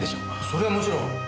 それはもちろん。